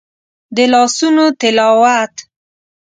د لاسونو تلاوت